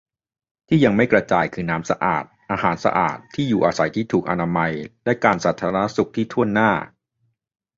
ที่ยังไม่กระจายคือน้ำสะอาด อาหารสะอาด ที่อยู่อาศัยที่ถูกอนามัย และการสาธารณสุขที่ถ้วนหน้า